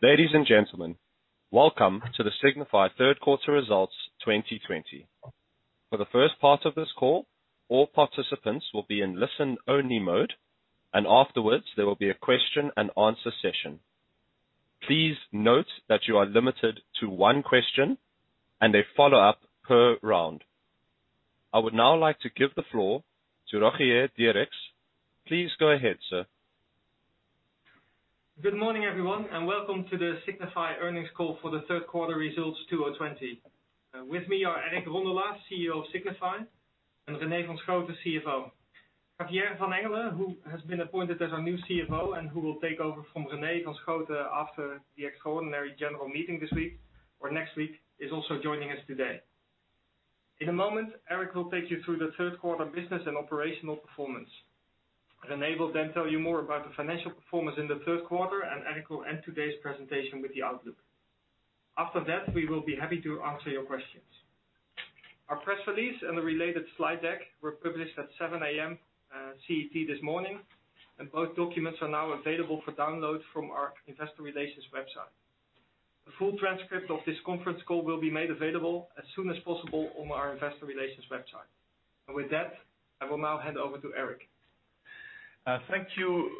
Ladies and gentlemen, welcome to the Signify third quarter results 2020. For the first part of this call, all participants will be in listen-only mode, and afterwards, there will be a question and answer session. Please note that you are limited to one question and a follow-up per round. I would now like to give the floor to Rogier Dierckx. Please go ahead, sir. Good morning, everyone, and welcome to the Signify earnings call for the third quarter results 2020. With me are Eric Rondolat, CEO of Signify, and René van Schooten, CFO. Javier van Engelen, who has been appointed as our new CFO and who will take over from René van Schooten after the extraordinary general meeting this week or next week, is also joining us today. In a moment, Eric will take you through the third quarter business and operational performance. René will then tell you more about the financial performance in the third quarter. Eric will end today's presentation with the outlook. After that, we will be happy to answer your questions. Our press release and the related slide deck were published at 7:00 A.M. CET this morning. Both documents are now available for download from our investor relations website. A full transcript of this conference call will be made available as soon as possible on our investor relations website. With that, I will now hand over to Eric. Thank you,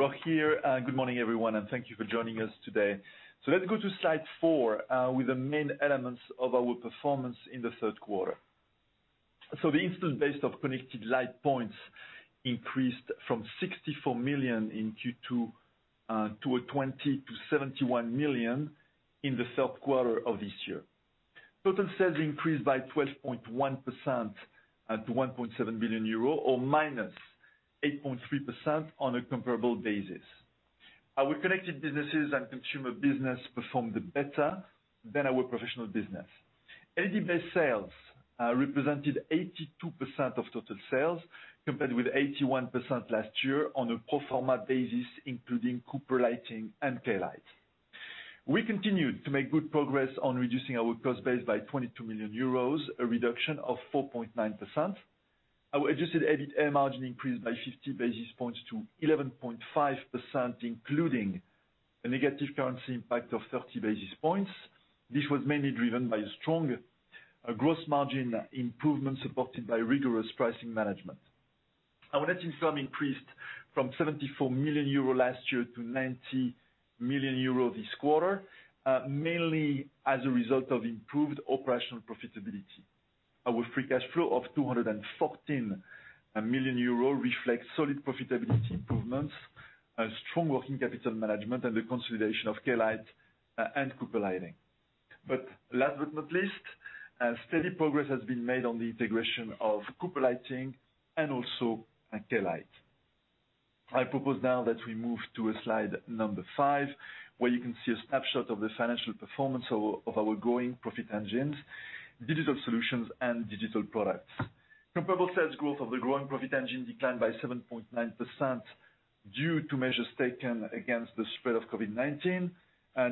Rogier. Good morning, everyone, and thank you for joining us today. Let's go to slide four with the main elements of our performance in the third quarter. The install base of connected light points increased from 64 million in Q2 2020 to 71 million in the third quarter of this year. Total sales increased by 12.1% to 1.7 billion euro or -8.3% on a comparable basis. Our connected businesses and consumer business performed better than our professional business. LED-based sales represented 82% of total sales compared with 81% last year on a pro forma basis, including Cooper Lighting and Klite Lighting. We continued to make good progress on reducing our cost base by 22 million euros, a reduction of 4.9%. Our adjusted EBITA margin increased by 50 basis points to 11.5%, including a negative currency impact of 30 basis points. This was mainly driven by a strong gross margin improvement, supported by rigorous pricing management. Our net income increased from 74 million euro last year to 90 million euro this quarter, mainly as a result of improved operational profitability. Our free cash flow of 214 million euros reflects solid profitability improvements, strong working capital management, and the consolidation of Klite and Cooper Lighting. Last but not least, steady progress has been made on the integration of Cooper Lighting and also Klite. I propose now that we move to slide number five, where you can see a snapshot of the financial performance of our growing profit engines, digital solutions and digital products. Comparable sales growth of the growing profit engine declined by 7.9% due to measures taken against the spread of COVID-19.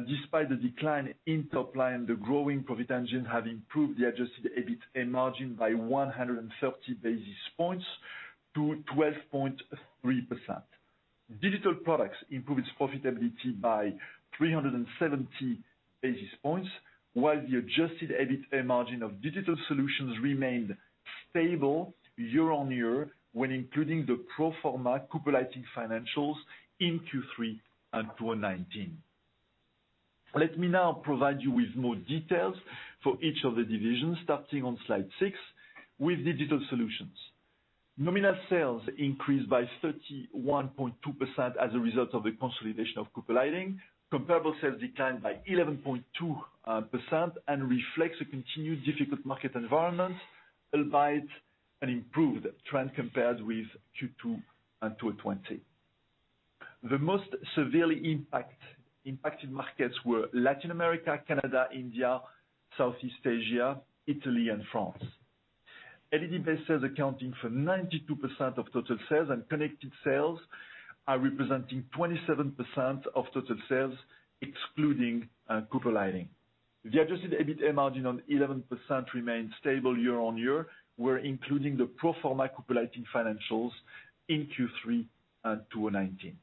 Despite the decline in top line, the growing profit engine have improved the adjusted EBITA margin by 130 basis points to 12.3%. Digital products improved its profitability by 370 basis points, while the adjusted EBITA margin of digital solutions remained stable year-over-year when including the pro forma Cooper Lighting financials in Q3 of 2019. Let me now provide you with more details for each of the divisions, starting on slide six with digital solutions. Nominal sales increased by 31.2% as a result of the consolidation of Cooper Lighting. Comparable sales declined by 11.2% and reflects a continued difficult market environment, albeit an improved trend compared with Q2 2020. The most severely impacted markets were Latin America, Canada, India, Southeast Asia, Italy, and France. LED-based sales accounting for 92% of total sales. Connected sales are representing 27% of total sales, excluding Cooper Lighting. The adjusted EBITA margin on 11% remains stable year-on-year. We're including the pro forma Cooper Lighting financials in Q3 2019.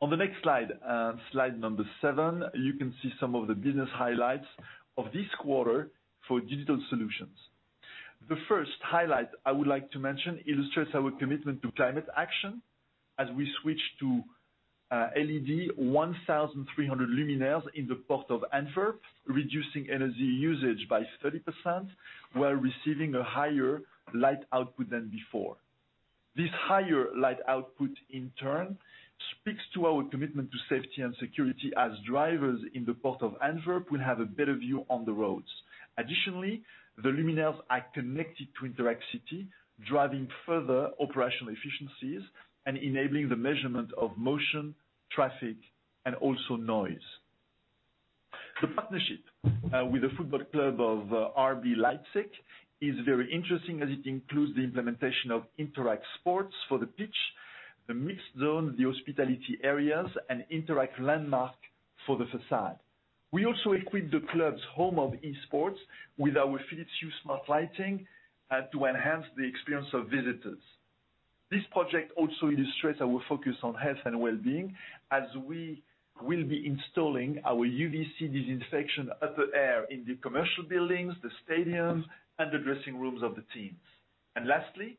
On the next slide number seven, you can see some of the business highlights of this quarter for digital solutions. The first highlight I would like to mention illustrates our commitment to climate action as we switch to LED 1,300 luminaires in the Port of Antwerp, reducing energy usage by 30% while receiving a higher light output than before. This higher light output, in turn, speaks to our commitment to safety and security, as drivers in the Port of Antwerp will have a better view on the roads. The luminaires are connected to Interact City, driving further operational efficiencies and enabling the measurement of motion, traffic, and also noise. The partnership with the football club of RB Leipzig is very interesting as it includes the implementation of Interact Sports for the pitch, the mixed zone, the hospitality areas, and Interact Landmark for the façade. We also equipped the club's home of esports with our Philips Hue smart lighting to enhance the experience of visitors. This project also illustrates our focus on health and wellbeing, as we will be installing our UVC disinfection upper air in the commercial buildings, the stadiums, and the dressing rooms of the teams. Lastly,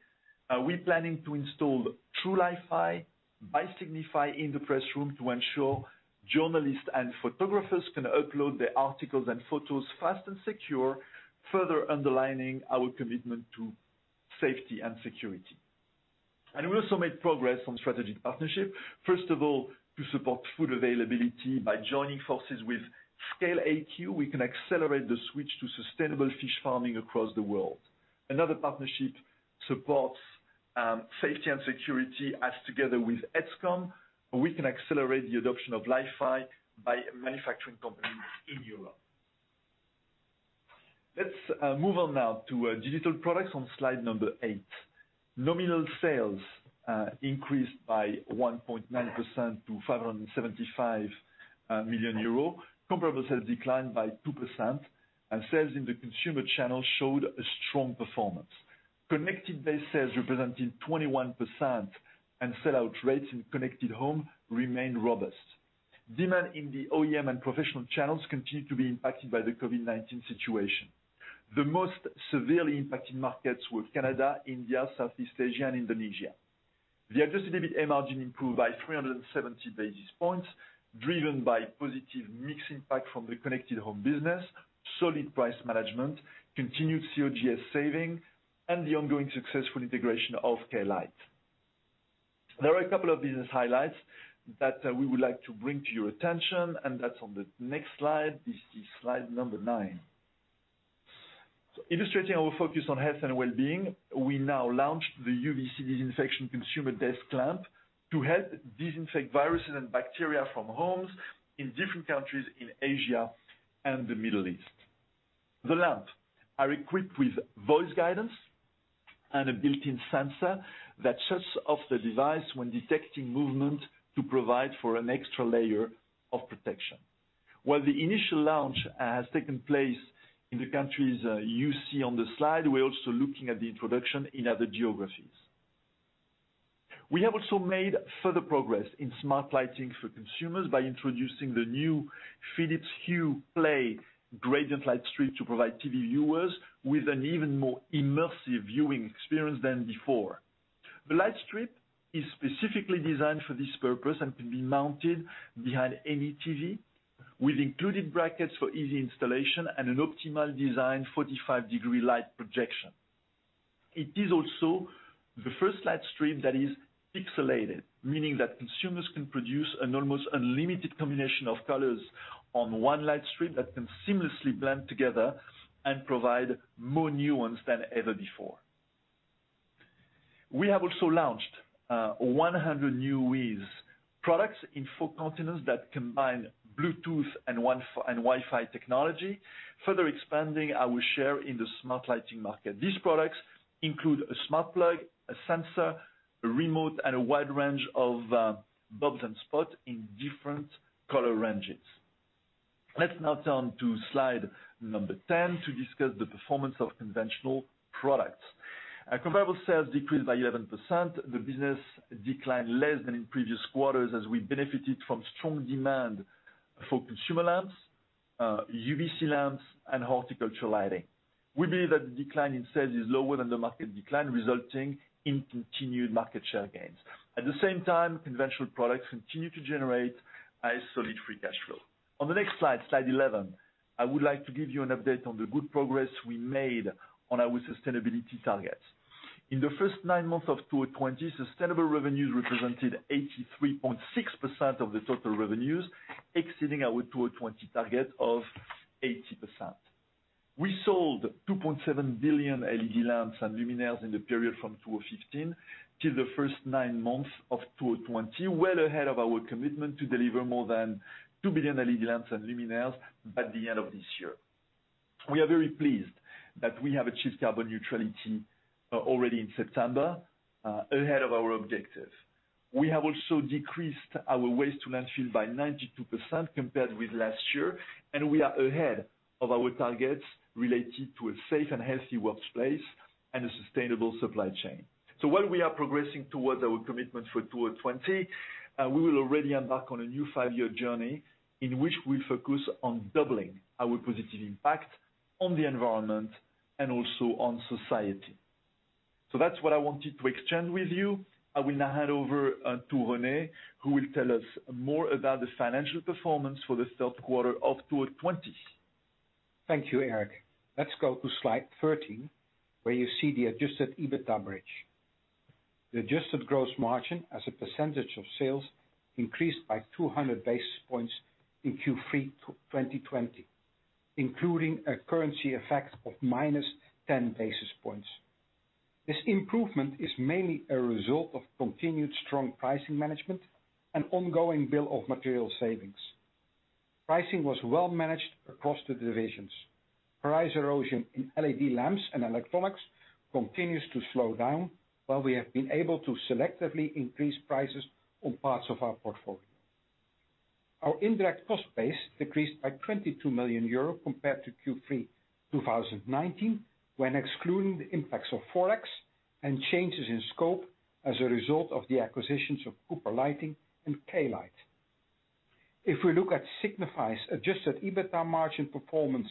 we're planning to install Trulifi by Signify in the press room to ensure journalists and photographers can upload their articles and photos fast and secure, further underlining our commitment to safety and security. We also made progress on strategic partnership. First of all, to support food availability by joining forces with ScaleAQ, we can accelerate the switch to sustainable fish farming across the world. Another partnership supports safety and security as together with EDZCOM, we can accelerate the adoption of LiFi by manufacturing companies in Europe. Let's move on now to digital products on slide number eight. Nominal sales increased by 1.9% to 575 million euro. Comparable sales declined by 2%, sales in the consumer channel showed a strong performance. Connected base sales representing 21% and sell-out rates in connected home remained robust. Demand in the OEM and professional channels continued to be impacted by the COVID-19 situation. The most severely impacted markets were Canada, India, Southeast Asia, and Indonesia. The adjusted EBITA margin improved by 370 basis points, driven by positive mix impact from the connected home business, solid price management, continued COGS savings, and the ongoing successful integration of Klite. There are a couple of business highlights that we would like to bring to your attention, and that's on the next slide. This is slide number nine. Illustrating our focus on health and wellbeing, we now launched the UVC Disinfection Consumer Desk Lamp to help disinfect viruses and bacteria from homes in different countries in Asia and the Middle East. The lamp are equipped with voice guidance and a built-in sensor that shuts off the device when detecting movement to provide for an extra layer of protection. While the initial launch has taken place in the countries you see on the slide, we're also looking at the introduction in other geographies. We have also made further progress in smart lighting for consumers by introducing the new Philips Hue Play gradient lightstrip to provide TV viewers with an even more immersive viewing experience than before. The lightstrip is specifically designed for this purpose and can be mounted behind any TV with included brackets for easy installation and an optimal design 45-degree light projection. It is also the first lightstrip that is pixelated, meaning that consumers can produce an almost unlimited combination of colors on one lightstrip that can seamlessly blend together and provide more nuance than ever before. We have also launched 100 new WiZ products in four continents that combine Bluetooth and Wi-Fi technology, further expanding our share in the smart lighting market. These products include a smart plug, a sensor, a remote, and a wide range of bulbs and spot in different color ranges. Let's now turn to slide number 10 to discuss the performance of conventional products. Comparable sales decreased by 11%. The business declined less than in previous quarters as we benefited from strong demand for consumer lamps, UVC lamps, and horticulture lighting. We believe that the decline in sales is lower than the market decline, resulting in continued market share gains. At the same time, conventional products continue to generate a solid free cash flow. On the next slide 11, I would like to give you an update on the good progress we made on our sustainability targets. In the first nine months of 2020, sustainable revenues represented 83.6% of the total revenues, exceeding our 2020 target of 80%. We sold 2.7 billion LED lamps and luminaires in the period from 2015 till the first nine months of 2020, well ahead of our commitment to deliver more than 2 billion LED lamps and luminaires by the end of this year. We are very pleased that we have achieved carbon neutrality, already in September, ahead of our objective. We have also decreased our waste to landfill by 92% compared with last year, and we are ahead of our targets related to a safe and healthy workspace and a sustainable supply chain. While we are progressing towards our commitments for 2020, we will already embark on a new five-year journey in which we'll focus on doubling our positive impact on the environment and also on society. That's what I wanted to exchange with you. I will now hand over to René, who will tell us more about the financial performance for this third quarter of 2020. Thank you, Eric. Let's go to slide 13, where you see the adjusted EBITA bridge. The adjusted gross margin as a percentage of sales increased by 200 basis points in Q3 2020, including a currency effect of -10 basis points. This improvement is mainly a result of continued strong pricing management and ongoing bill of material savings. Pricing was well managed across the divisions. Price erosion in LED lamps and electronics continues to slow down, while we have been able to selectively increase prices on parts of our portfolio. Our indirect cost base decreased by 22 million euro compared to Q3 2019, when excluding the impacts of forex and changes in scope as a result of the acquisitions of Cooper Lighting and Klite. If we look at Signify's adjusted EBITDA margin performance,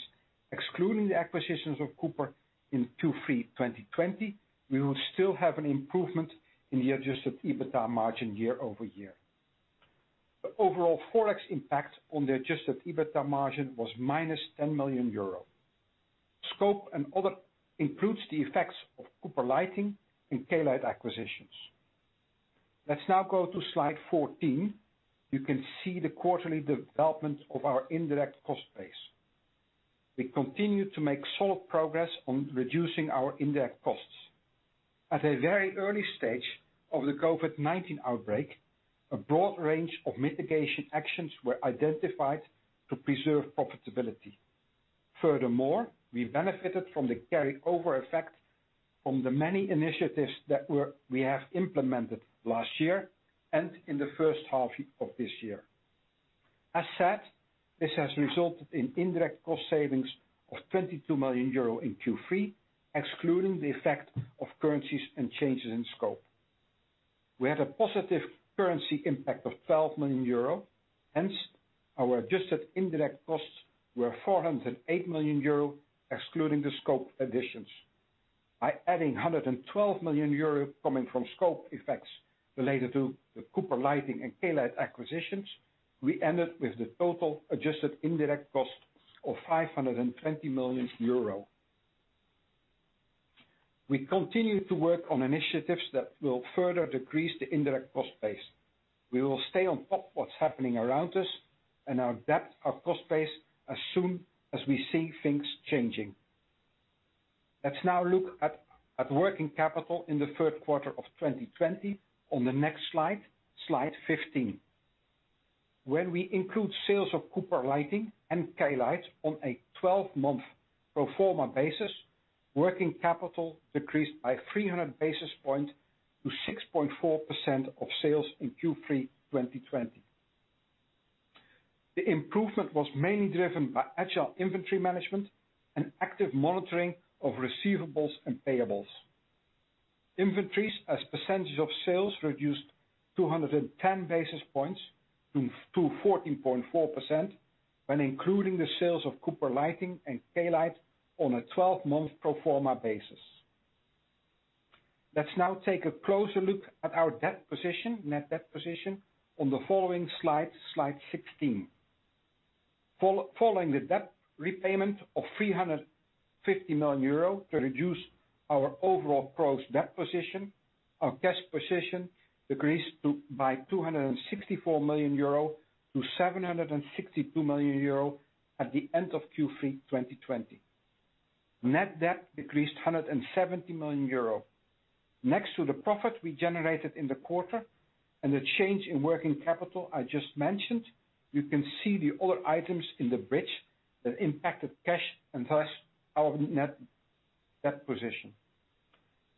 excluding the acquisitions of Cooper in Q3 2020, we will still have an improvement in the adjusted EBITDA margin year-over-year. The overall forex impact on the adjusted EBITDA margin was -10 million euro. Scope and other includes the effects of Cooper Lighting and Klite Lighting acquisitions. Let's now go to slide 14. You can see the quarterly development of our indirect cost base. We continue to make solid progress on reducing our indirect costs. At a very early stage of the COVID-19 outbreak, a broad range of mitigation actions were identified to preserve profitability. Furthermore, we benefited from the carry-over effect from the many initiatives that we have implemented last year, and in the first half of this year. As said, this has resulted in indirect cost savings of 22 million euro in Q3, excluding the effect of currencies and changes in scope. We had a positive currency impact of 12 million euro. Hence, our adjusted indirect costs were 408 million euro, excluding the scope additions. By adding 112 million euro coming from scope effects related to the Cooper Lighting and Klite Lighting acquisitions, we ended with the total adjusted indirect cost of 520 million euro. We continue to work on initiatives that will further decrease the indirect cost base. We will stay on top what's happening around us and adapt our cost base as soon as we see things changing. Let's now look at working capital in the third quarter of 2020 on the next slide 15. When we include sales of Cooper Lighting and Klite Lighting on a 12-month pro forma basis, working capital decreased by 300 basis points to 6.4% of sales in Q3 2020. The improvement was mainly driven by agile inventory management and active monitoring of receivables and payables. Inventories as percentage of sales reduced 210 basis points to 14.4%, when including the sales of Cooper Lighting and Klite Lighting on a 12-month pro forma basis. Let's now take a closer look at our net debt position on the following slide 16. Following the debt repayment of 350 million euros to reduce our overall gross debt position, our cash position decreased by 264 million euro to 762 million euro at the end of Q3 2020. Net debt decreased 170 million euro. Next to the profit we generated in the quarter and the change in working capital I just mentioned, you can see the other items in the bridge that impacted cash and thus our net debt position.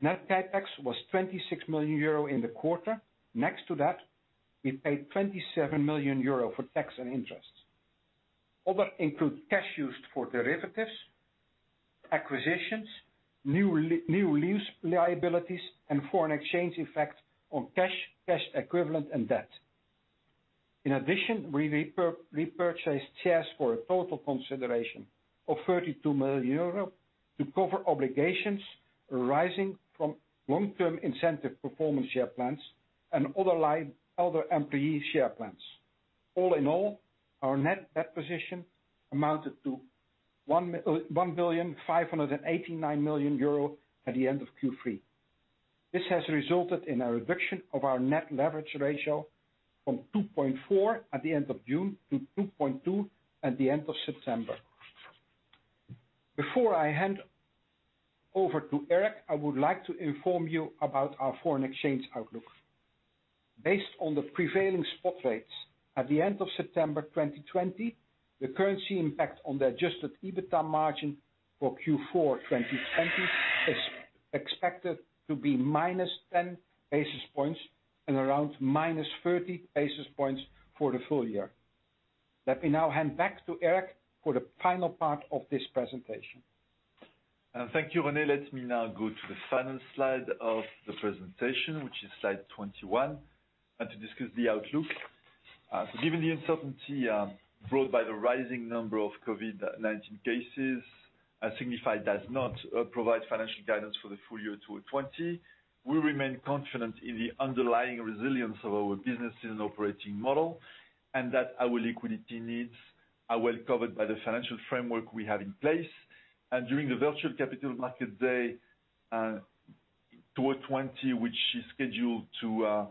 Net CapEx was 26 million euro in the quarter. Next to that, we paid 27 million euro for tax and interest. Other include cash used for derivatives, acquisitions, new lease liabilities, and foreign exchange effect on cash equivalent and debt. In addition, we repurchased shares for a total consideration of 32 million euros to cover obligations arising from long-term incentive performance share plans and other employee share plans. All in all, our net debt position amounted to 1,589 million euro at the end of Q3. This has resulted in a reduction of our net leverage ratio from 2.4 at the end of June to 2.2 at the end of September. Before I hand over to Eric, I would like to inform you about our foreign exchange outlook. Based on the prevailing spot rates at the end of September 2020, the currency impact on the adjusted EBITDA margin for Q4 2020 is expected to be minus 10 basis points and around -30 basis points for the full year. Let me now hand back to Eric for the final part of this presentation. Thank you, René. Let me now go to the final slide of the presentation, which is slide 21, and to discuss the outlook. Given the uncertainty brought by the rising number of COVID-19 cases, Signify does not provide financial guidance for the full year 2020. We remain confident in the underlying resilience of our business and operating model, and that our liquidity needs are well covered by the financial framework we have in place. During the virtual Capital Markets Day 2020, which is scheduled to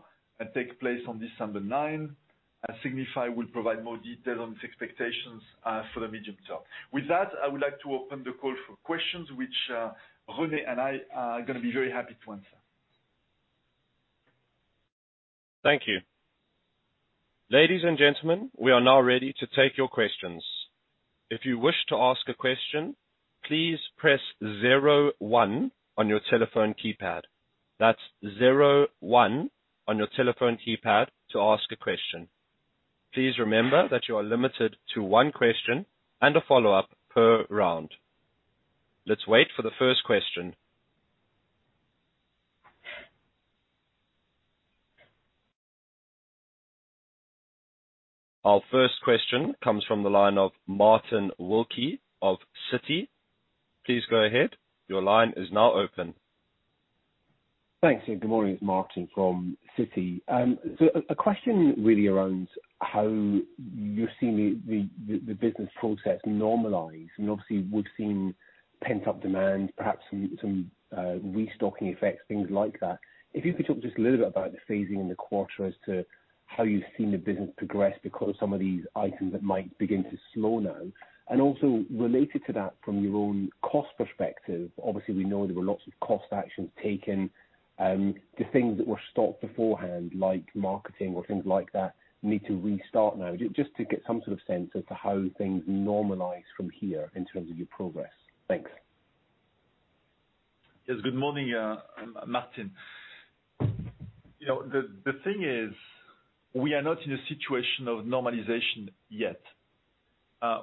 take place on December 9th, Signify will provide more details on its expectations for the medium term. With that, I would like to open the call for questions, which René and I are going to be very happy to answer. Thank you. Ladies and gentlemen, we are now ready to take your questions. If you wish to ask a question, please press zero one on your telephone keypad. That's zero one on your telephone keypad to ask a question. Please remember that you are limited to one question and a follow-up per round. Let's wait for the first question. Our first question comes from the line of Martin Wilkie of Citi. Please go ahead. Your line is now open. Thanks. Good morning. It's Martin from Citi. A question really around how you're seeing the business process normalize, and obviously we've seen pent-up demand, perhaps some restocking effects, things like that. If you could talk just a little bit about the phasing in the quarter as to how you've seen the business progress because some of these items that might begin to slow now, and also related to that from your own cost perspective. Obviously, we know there were lots of cost actions taken. The things that were stopped beforehand, like marketing or things like that, need to restart now. Just to get some sort of sense as to how things normalize from here in terms of your progress. Thanks. Yes, good morning, Martin. The thing is, we are not in a situation of normalization yet.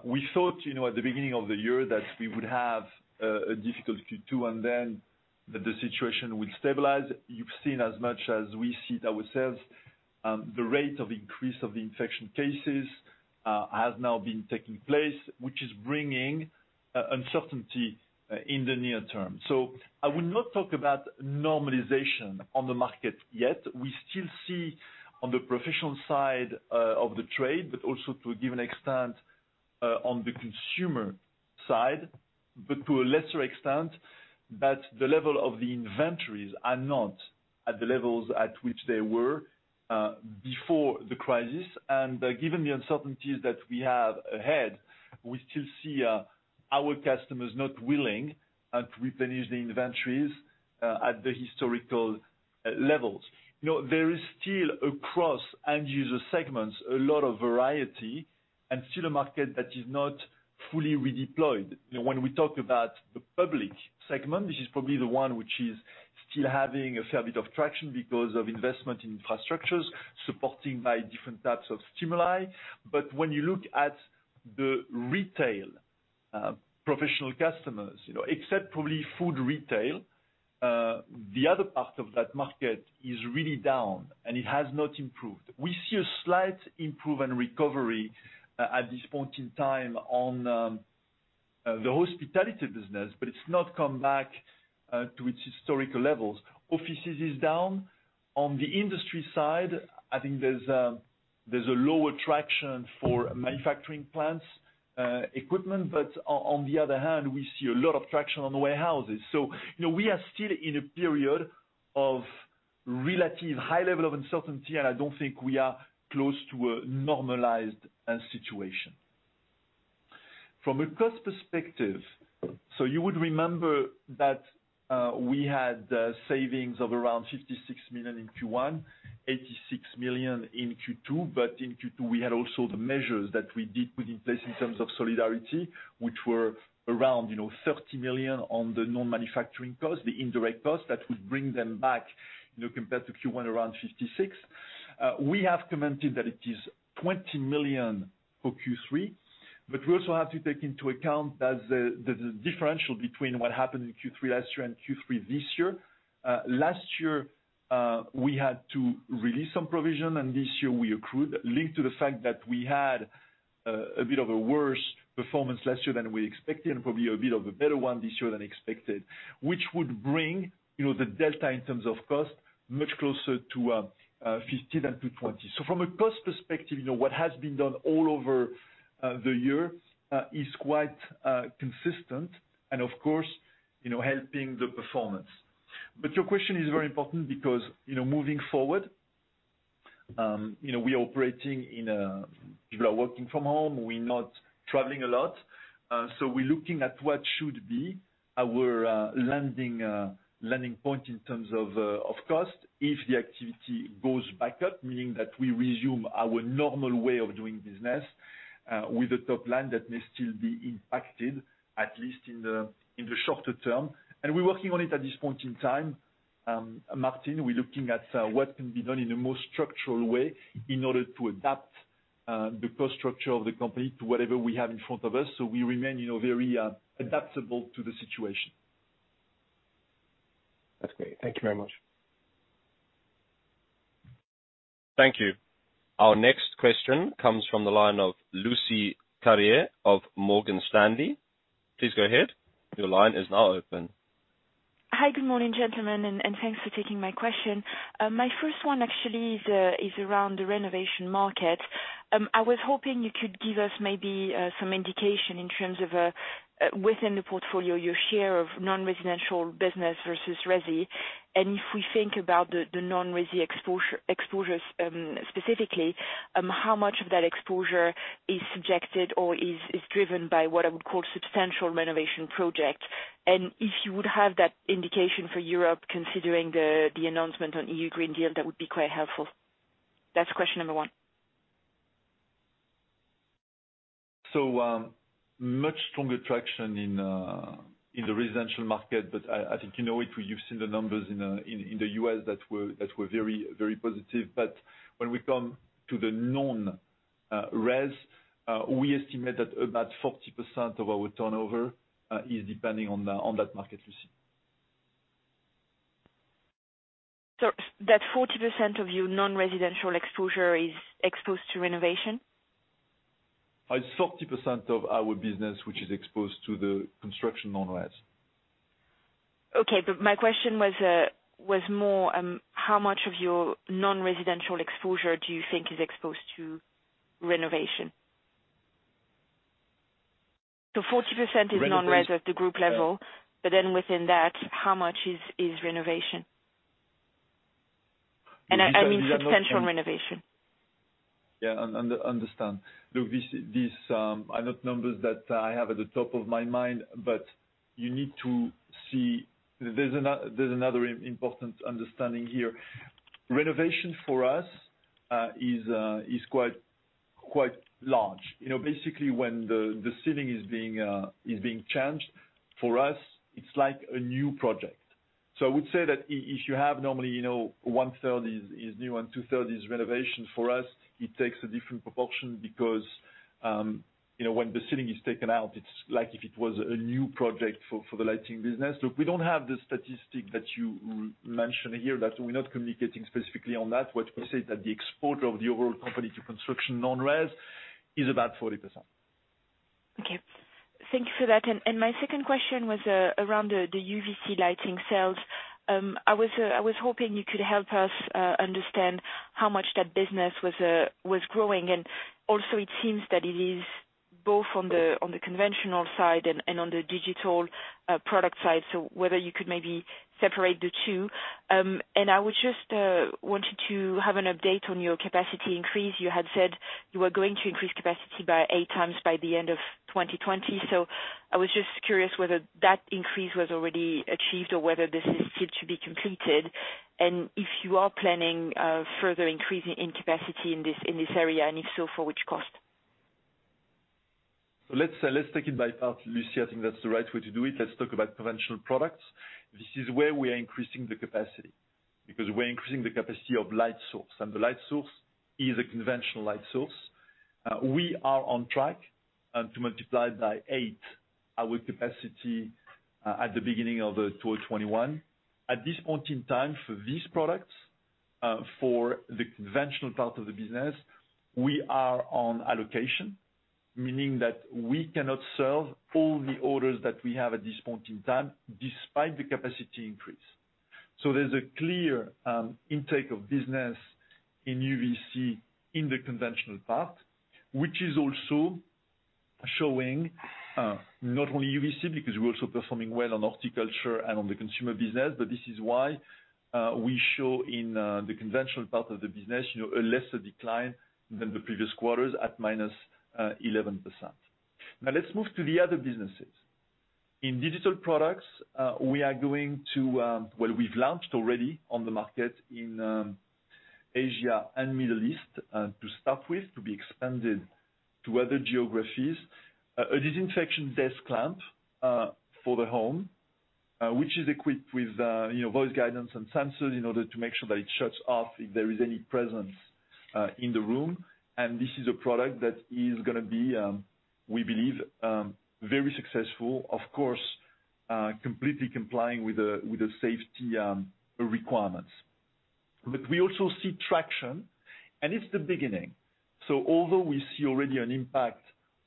We thought, at the beginning of the year that we would have a difficulty too, that the situation would stabilize. You've seen as much as we see it ourselves, the rate of increase of the infection cases has now been taking place, which is bringing uncertainty in the near term. I would not talk about normalization on the market yet. We still see on the professional side of the trade, but also to a given extent, on the consumer side, but to a lesser extent, that the level of the inventories are not at the levels at which they were before the crisis. Given the uncertainties that we have ahead, we still see our customers not willing to replenish the inventories at the historical levels. There is still, across end user segments, a lot of variety and still a market that is not fully redeployed. When we talk about the public segment, which is probably the one which is still having a fair bit of traction because of investment in infrastructures, supported by different types of stimuli. When you look at the retail professional customers, except probably food retail, the other part of that market is really down, and it has not improved. We see a slight improvement recovery at this point in time on the hospitality business, but it's not come back to its historical levels. Offices is down. On the industry side, I think there's a lower traction for manufacturing plants equipment. On the other hand, we see a lot of traction on the warehouses. We are still in a period of relative high level of uncertainty, and I don't think we are close to a normalized situation. From a cost perspective, you would remember that we had savings of around 56 million in Q1, 86 million in Q2, but in Q2. We had also the measures that we did put in place in terms of solidarity, which were around 30 million on the non-manufacturing cost, the indirect cost that would bring them back compared to Q1, around 56. We have commented that it is 20 million for Q3, but we also have to take into account that the differential between what happened in Q3 last year and Q3 this year. Last year, we had to release some provision, and this year we accrued, linked to the fact that we had a bit of a worse performance last year than we expected, and probably a bit of a better one this year than expected. Which would bring the delta in terms of cost much closer to 15 and to 20. From a cost perspective, what has been done all over the year is quite consistent and of course, helping the performance. Your question is very important because, moving forward, we are operating. People are working from home. We're not traveling a lot. We're looking at what should be our landing point in terms of cost if the activity goes back up, meaning that we resume our normal way of doing business, with the top line that may still be impacted, at least in the shorter term. We're working on it at this point in time, Martin. We're looking at what can be done in a more structural way in order to adapt the cost structure of the company to whatever we have in front of us. We remain very adaptable to the situation. That's great. Thank you very much. Thank you. Our next question comes from the line of Lucie Carrier of Morgan Stanley. Please go ahead. Your line is now open. Hi. Good morning, gentlemen, and thanks for taking my question. My first one actually is around the renovation market. I was hoping you could give us maybe some indication in terms of, within the portfolio, your share of non-residential business versus resi. If we think about the non-resi exposures specifically, how much of that exposure is subjected or is driven by what I would call substantial renovation project? If you would have that indication for Europe, considering the announcement on E.U. Green Deal, that would be quite helpful. That's question number one. Much stronger traction in the residential market, I think you know it. You've seen the numbers in the U.S. that were very positive. When we come to the non-res, we estimate that about 40% of our turnover is depending on that market, Lucie. That 40% of your non-residential exposure is exposed to renovation? It's 40% of our business which is exposed to the construction non-res. Okay. My question was more, how much of your non-residential exposure do you think is exposed to renovation? 40% is non-res at the group level. Within that, how much is substantial renovation. Yeah. Understand. Look, these are not numbers that I have at the top of my mind, but you need to see there's another important understanding here. Renovation for us is quite large. Basically, when the ceiling is being changed, for us, it's like a new project. I would say that if you have normally one-third is new and two-third is renovation, for us, it takes a different proportion because when the ceiling is taken out, it's like if it was a new project for the lighting business. Look, we don't have the statistic that you mentioned here. That we're not communicating specifically on that. What we say is that the exposure of the overall company to construction non-res is about 40%. Okay. Thank you for that. My second question was around the UVC lighting sales. I was hoping you could help us understand how much that business was growing, and also it seems that it is both on the conventional side and on the digital product side. Whether you could maybe separate the two. I just wanted to have an update on your capacity increase. You had said you were going to increase capacity by eight times by the end of 2020. I was just curious whether that increase was already achieved or whether this is yet to be completed, and if you are planning further increase in capacity in this area, and if so, for which cost? Let's take it by part, Lucie. I think that's the right way to do it. Let's talk about conventional products. This is where we are increasing the capacity because we're increasing the capacity of light source, and the light source is a conventional light source. We are on track to multiply by eight our capacity at the beginning of 2021. At this point in time for these products, for the conventional part of the business, we are on allocation, meaning that we cannot serve all the orders that we have at this point in time despite the capacity increase. There's a clear intake of business in UVC in the conventional part, which is also showing not only UVC, because we're also performing well on horticulture and on the consumer business, but this is why we show in the conventional part of the business, a lesser decline than the previous quarters at -11%. Let's move to the other businesses. In digital products, we've launched already on the market in Asia and Middle East to start with, to be expanded to other geographies. A disinfection desk lamp for the home, which is equipped with voice guidance and sensors in order to make sure that it shuts off if there is any presence in the room. This is a product that is gonna be, we believe, very successful, of course completely complying with the safety requirements. We also see traction, and it's the beginning. Although we see already an impact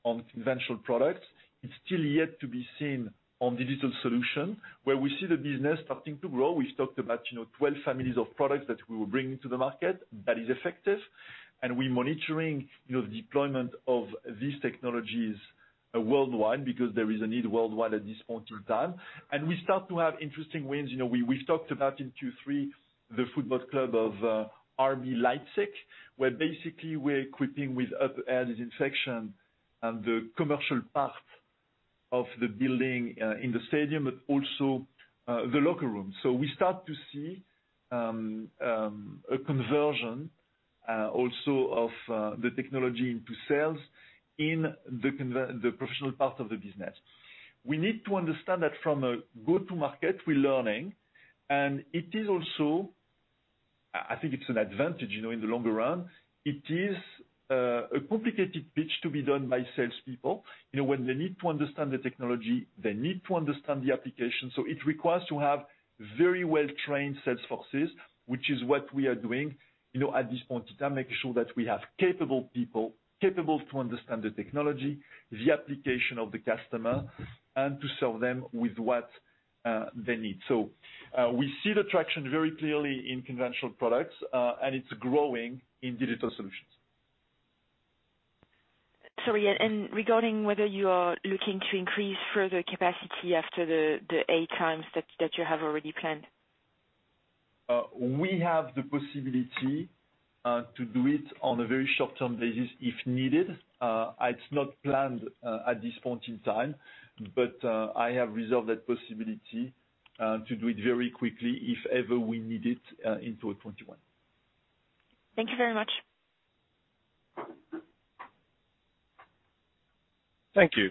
on conventional products, it's still yet to be seen on digital solution where we see the business starting to grow. We've talked about 12 families of products that we will bring into the market that is effective, and we're monitoring the deployment of these technologies worldwide because there is a need worldwide at this point in time. We start to have interesting wins. We've talked about in Q3, the football club of RB Leipzig, where basically we're equipping with air disinfection and the commercial part of the building in the stadium, but also the locker room. We start to see a conversion also of the technology into sales in the professional part of the business. We need to understand that from a go-to market, we're learning, and it is also, I think it's an advantage in the longer run. It is a complicated pitch to be done by salespeople. When they need to understand the technology, they need to understand the application. It requires to have very well-trained sales forces, which is what we are doing at this point in time, making sure that we have capable people, capable to understand the technology, the application of the customer, and to serve them with what they need. We see the traction very clearly in conventional products, and it's growing in digital solutions. Sorry, regarding whether you are looking to increase further capacity after the eight times that you have already planned. We have the possibility to do it on a very short-term basis if needed. It's not planned at this point in time, but I have reserved that possibility to do it very quickly if ever we need it in 2021. Thank you very much. Thank you.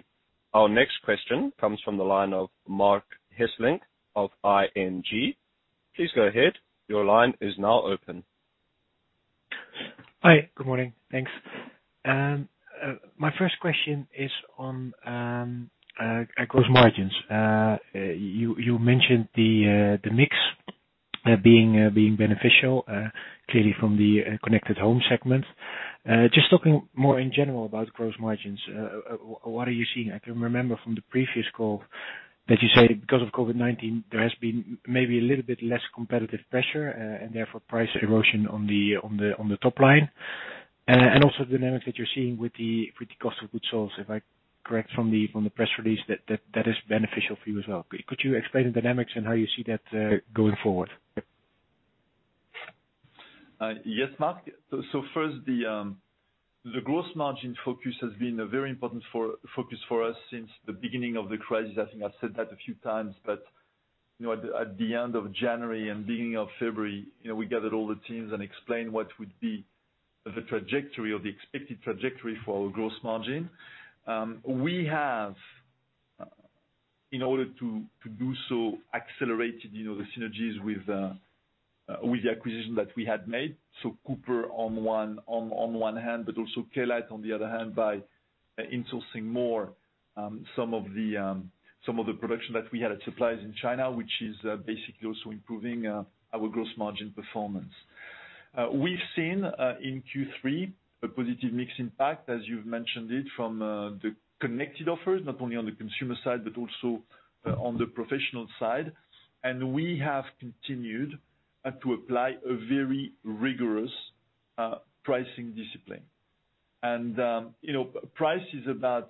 Our next question comes from the line of Marc Hesselink of ING. Please go ahead. Hi. Good morning. Thanks. My first question is on gross margins. You mentioned the mix being beneficial clearly from the connected home segment. Just talking more in general about gross margins, what are you seeing? I can remember from the previous call that you said because of COVID-19, there has been maybe a little bit less competitive pressure, and therefore, price erosion on the top line. Also the dynamics that you're seeing with the cost of goods sold. If I'm correct from the press release, that is beneficial for you as well. Could you explain the dynamics and how you see that going forward? Yes, Marc. First, the gross margin focus has been a very important focus for us since the beginning of the crisis. I think I've said that a few times. At the end of January and beginning of February, we gathered all the teams and explained what would be the trajectory or the expected trajectory for our gross margin. We have, in order to do so, accelerated the synergies with the acquisition that we had made. Cooper on one hand, but also Klite Lighting on the other hand, by insourcing more some of the production that we had at supplies in China, which is basically also improving our gross margin performance. We've seen in Q3 a positive mix impact, as you've mentioned it, from the connected offers, not only on the consumer side, but also on the professional side. We have continued to apply a very rigorous pricing discipline. Price is about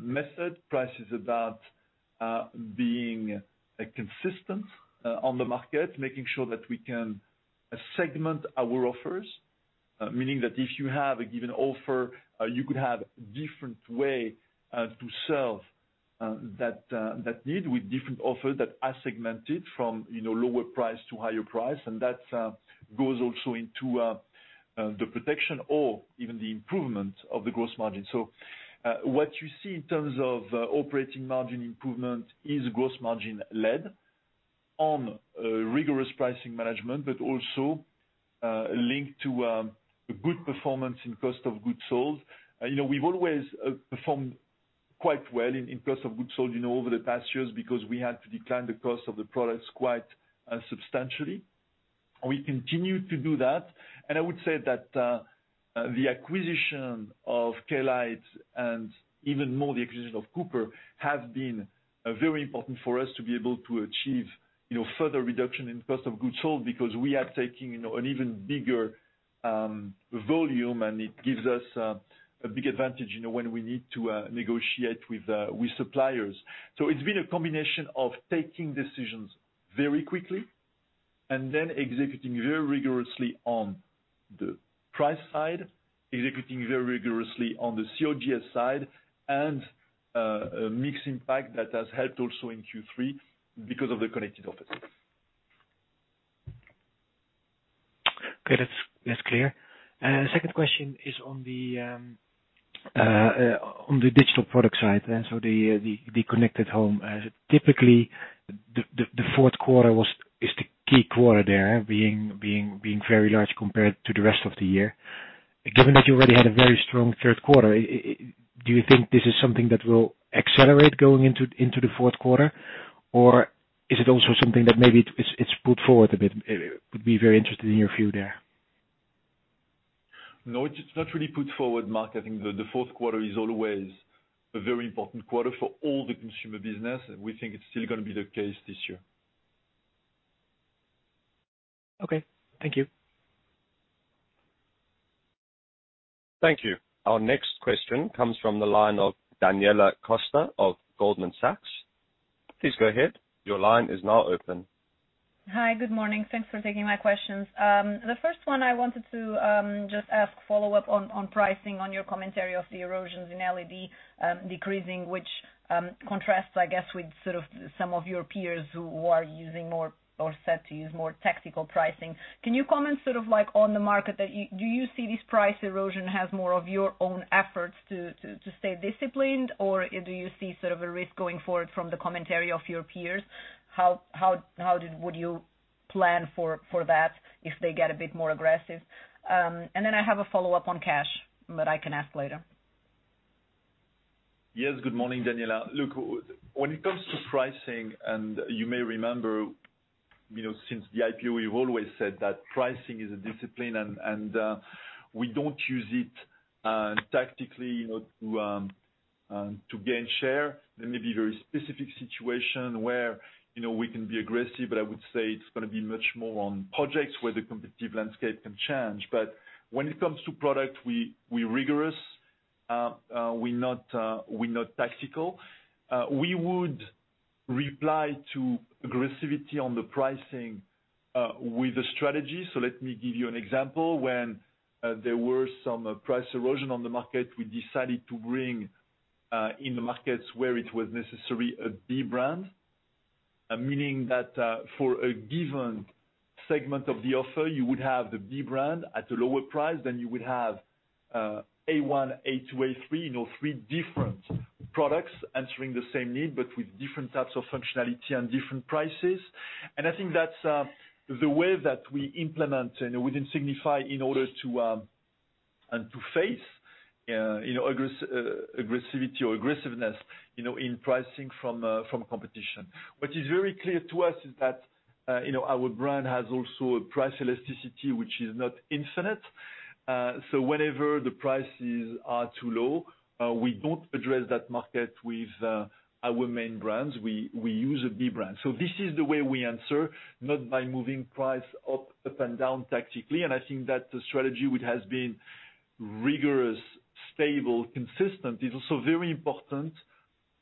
method. Price is about being consistent on the market, making sure that we can segment our offers. Meaning that if you have a given offer, you could have different way to serve that need with different offers that are segmented from lower price to higher price. That goes also into the protection or even the improvement of the gross margin. What you see in terms of operating margin improvement is gross margin led on rigorous pricing management, but also linked to a good performance in cost of goods sold. We've always performed quite well in cost of goods sold over the past years because we had to decline the cost of the products quite substantially. We continue to do that. I would say that the acquisition of Klite Lighting and even more the acquisition of Cooper have been very important for us to be able to achieve further reduction in cost of goods sold, because we are taking an even bigger volume. It gives us a big advantage when we need to negotiate with suppliers. It's been a combination of taking decisions very quickly and then executing very rigorously on the price side, executing very rigorously on the COGS side, and a mix impact that has helped also in Q3 because of the connected offers. Okay, that's clear. Second question is on the digital product side, so the connected home. Typically, the fourth quarter is the key quarter there, being very large compared to the rest of the year. Given that you already had a very strong third quarter, do you think this is something that will accelerate going into the fourth quarter? Is it also something that maybe it's put forward a bit? Would be very interested in your view there. No, it's not really put forward, Marc. I think the fourth quarter is always a very important quarter for all the consumer business, and we think it's still going to be the case this year. Okay. Thank you. Thank you. Our next question comes from the line of Daniela Costa of Goldman Sachs. Please go ahead. Hi. Good morning. Thanks for taking my questions. The first one I wanted to just ask follow up on pricing on your commentary of the erosions in LED decreasing, which contrasts, I guess, with sort of some of your peers who are using more or set to use more tactical pricing. Can you comment sort of like on the market that do you see this price erosion as more of your own efforts to stay disciplined, or do you see sort of a risk going forward from the commentary of your peers? How would you plan for that if they get a bit more aggressive? I have a follow up on cash, but I can ask later. Yes. Good morning, Daniela. Look, when it comes to pricing, and you may remember since the IPO, we've always said that pricing is a discipline, and we don't use it tactically to gain share. There may be very specific situation where we can be aggressive, but I would say it's going to be much more on projects where the competitive landscape can change. When it comes to product, we're rigorous. We're not tactical. We would reply to aggressivity on the pricing with a strategy. Let me give you an example. When there were some price erosion on the market, we decided to bring in the markets where it was necessary a B brand. Meaning that for a given segment of the offer, you would have the B brand at a lower price than you would have A1, A2, A3 different products answering the same need, but with different types of functionality and different prices. I think that's the way that we implement within Signify in order to face aggressivity or aggressiveness in pricing from competition. What is very clear to us is that our brand has also a price elasticity, which is not infinite. Whenever the prices are too low, we don't address that market with our main brands. We use a B brand. This is the way we answer, not by moving price up and down tactically. I think that the strategy, which has been rigorous, stable, consistent, is also very important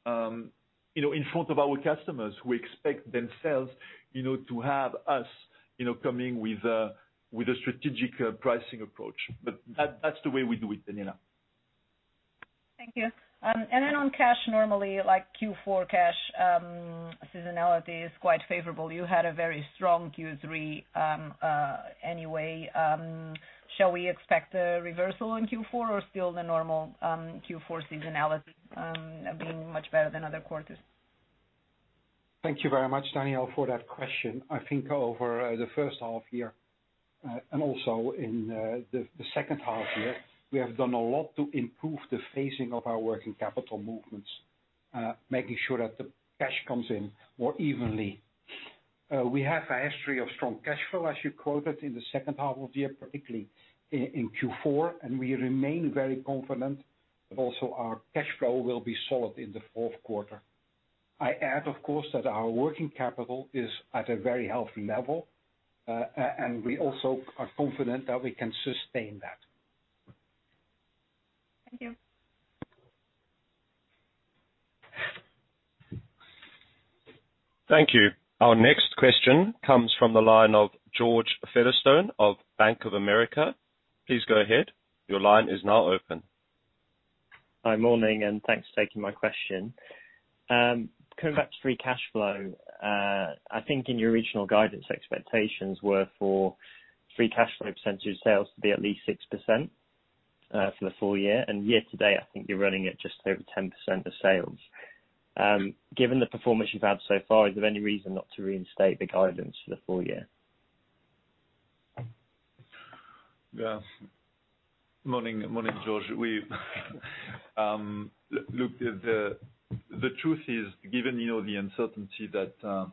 in front of our customers who expect themselves to have us coming with a strategic pricing approach. That's the way we do it, Daniela. Thank you. On cash, normally, like Q4 cash seasonality is quite favorable. You had a very strong Q3 anyway. Shall we expect a reversal in Q4 or still the normal Q4 seasonality being much better than other quarters? Thank you very much, Daniela, for that question. I think over the first half year and also in the second half year, we have done a lot to improve the phasing of our working capital movements, making sure that the cash comes in more evenly. We have a history of strong cash flow, as you quoted in the second half of the year, particularly in Q4, and we remain very confident that also our cash flow will be solid in the fourth quarter. I add, of course, that our working capital is at a very healthy level, and we also are confident that we can sustain that. Thank you. Thank you. Our next question comes from the line of George Featherstone of Bank of America. Please go ahead. Your line is now open. Hi, morning, thanks for taking my question. Coming back to free cash flow, I think in your original guidance, expectations were for free cash flow percentage sales to be at least 6% for the full year. Year to date, I think you're running at just over 10% of sales. Given the performance you've had so far, is there any reason not to reinstate the guidance for the full year? Morning, George. The truth is, given the uncertainty that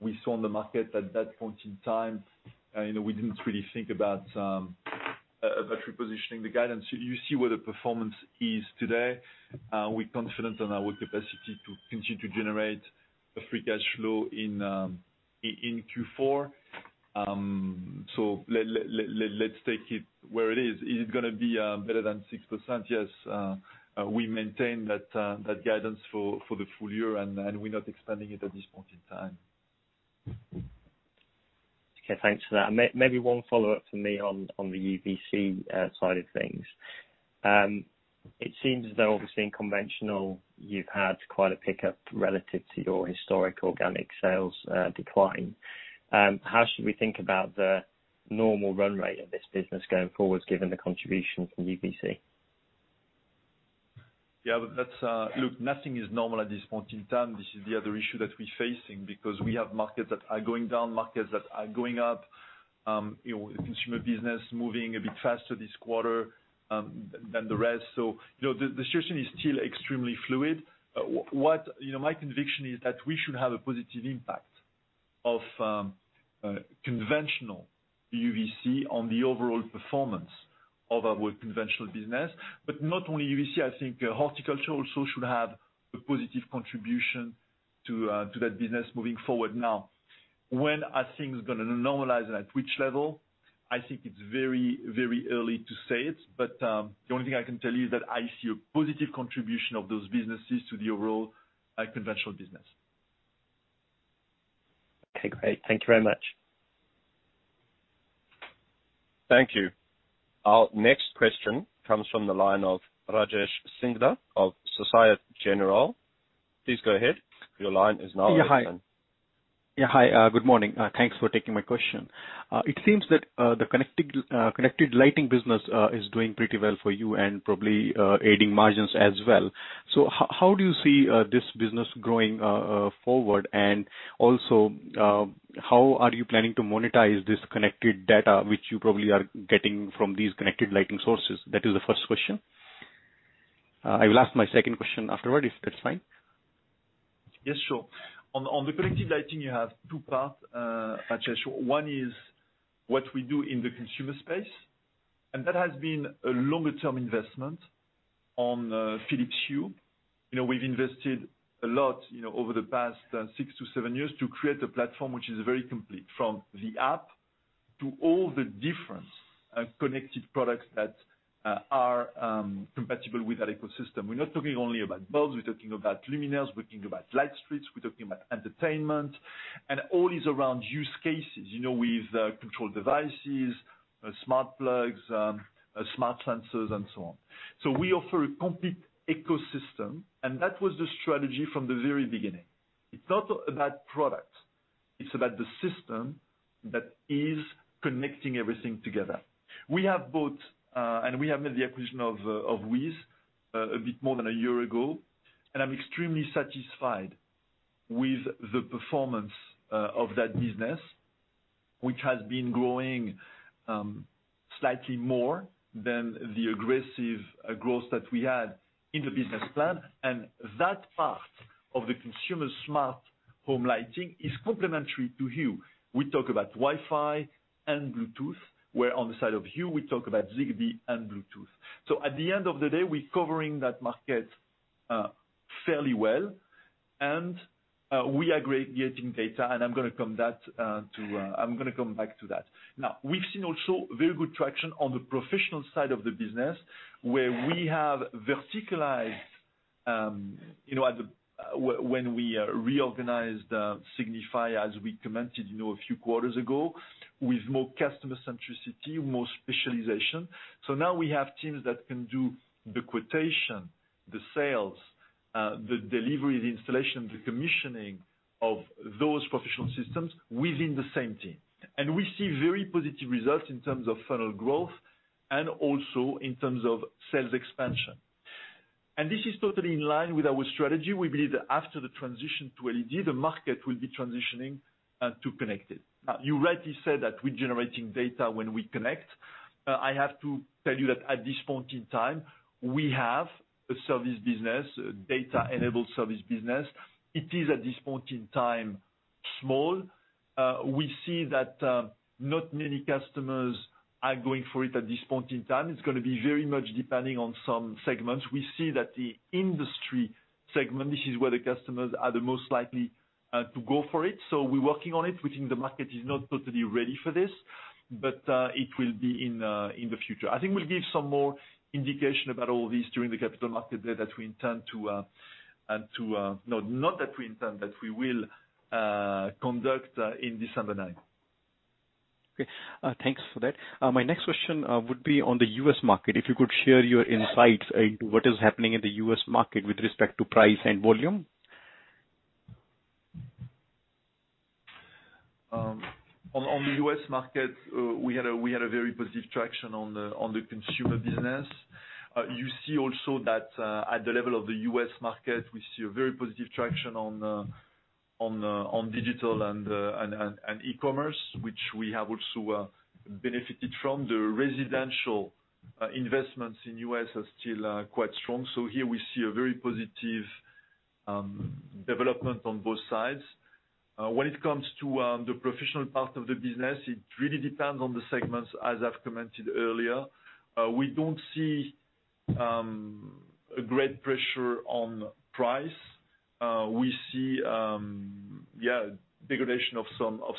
we saw on the market at that point in time, we didn't really think about repositioning the guidance. You see where the performance is today. We're confident on our capacity to continue to generate a free cash flow in Q4. Let's take it where it is. Is it going to be better than 6%? We maintain that guidance for the full year, we're not expanding it at this point in time. Okay, thanks for that. Maybe one follow-up from me on the UVC side of things. It seems as though obviously in conventional you've had quite a pickup relative to your historic organic sales decline. How should we think about the normal run rate of this business going forward, given the contribution from UVC? Look, nothing is normal at this point in time. This is the other issue that we're facing because we have markets that are going down, markets that are going up. Consumer business moving a bit faster this quarter than the rest. The situation is still extremely fluid. My conviction is that we should have a positive impact of conventional UVC on the overall performance of our conventional business. Not only UVC, I think horticulture also should have a positive contribution to that business moving forward. When are things going to normalize and at which level? I think it's very early to say it, the only thing I can tell you is that I see a positive contribution of those businesses to the overall conventional business. Okay, great. Thank you very much. Thank you. Our next question comes from the line of Rajesh Singla of Societe Generale. Please go ahead. Your line is now open. Hi. Good morning. Thanks for taking my question. It seems that the connected lighting business is doing pretty well for you and probably aiding margins as well. How do you see this business growing forward? Also, how are you planning to monetize this connected data, which you probably are getting from these connected lighting sources? That is the first question. I will ask my second question afterward, if that's fine. Yes, sure. On the connected lighting, you have two parts, Rajesh. One is what we do in the consumer space, and that has been a longer-term investment on Philips Hue. We've invested a lot over the past six to seven years to create a platform which is very complete, from the app to all the different connected products that are compatible with that ecosystem. We're not talking only about bulbs, we're talking about luminaires, we're talking about light strips, we're talking about entertainment, and all these around use cases, with control devices, smart plugs, smart sensors, and so on. We offer a complete ecosystem, and that was the strategy from the very beginning. It's not about product, it's about the system that is connecting everything together. We have both. We have made the acquisition of WiZ a bit more than a year ago, and I'm extremely satisfied with the performance of that business, which has been growing slightly more than the aggressive growth that we had in the business plan. That part of the consumer smart home lighting is complementary to Hue. We talk about Wi-Fi and Bluetooth, where on the side of Hue, we talk about Zigbee and Bluetooth. At the end of the day, we're covering that market fairly well, and we are aggregating data, and I'm going to come back to that. We've seen also very good traction on the professional side of the business, where we have verticalized when we reorganized Signify, as we commented a few quarters ago, with more customer centricity, more specialization. Now we have teams that can do the quotation, the sales, the delivery, the installation, the commissioning of those professional systems within the same team. We see very positive results in terms of funnel growth and also in terms of sales expansion. This is totally in line with our strategy. We believe that after the transition to LED, the market will be transitioning to connected. Now, you rightly said that we're generating data when we connect. I have to tell you that at this point in time, we have a service business, data-enabled service business. It is, at this point in time, small. We see that not many customers are going for it at this point in time. It's going to be very much depending on some segments. We see that the industry segment, this is where the customers are the most likely to go for it. We're working on it. We think the market is not totally ready for this, but it will be in the future. I think we'll give some more indication about all this during the Capital Markets Day that we will conduct in December 9th. Okay, thanks for that. My next question would be on the U.S. market. If you could share your insights into what is happening in the U.S. market with respect to price and volume. On the U.S. market, we had a very positive traction on the consumer business. You see also that at the level of the U.S. market, we see a very positive traction on digital and e-commerce, which we have also benefited from. The residential investments in U.S. are still quite strong. Here we see a very positive development on both sides. When it comes to the professional part of the business, it really depends on the segments, as I've commented earlier. We don't see a great pressure on price. We see degradation of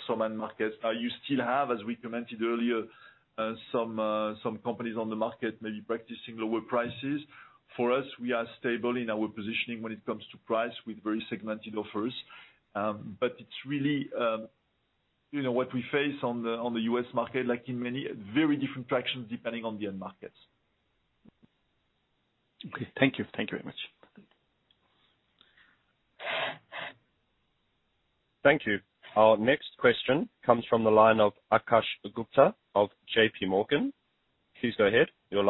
some end markets. You still have, as we commented earlier, some companies on the market maybe practicing lower prices. For us, we are stable in our positioning when it comes to price with very segmented offers. It's really what we face on the U.S. market, like in many very different tractions depending on the end markets. Okay. Thank you. Thank you very much. Thank you. Our next question comes from the line of Akash Gupta of JPMorgan. Please go ahead. Yeah,